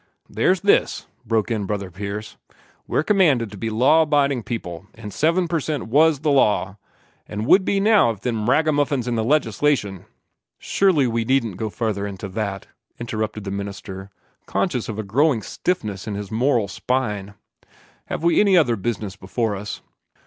"There's this," broke in Brother Pierce: "we're commanded to be law abiding people, an' seven per cent WAS the law an' would be now if them ragamuffins in the Legislation " "Surely we needn't go further into that," interrupted the minister, conscious of a growing stiffness in his moral spine. "Have we any other business before us?"